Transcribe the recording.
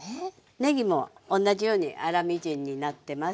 ねぎも同じように粗みじんになってます。